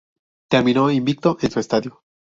Terminó invicto en su estadio.